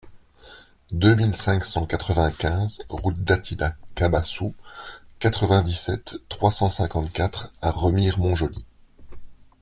deux mille cinq cent quatre-vingt-quinze route d'Attila Cabassou, quatre-vingt-dix-sept, trois cent cinquante-quatre à Remire-Montjoly